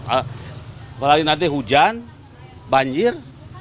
apalagi nanti hujan banjir